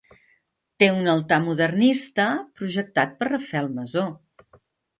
Té un altar modernista, projectat per Rafael Masó.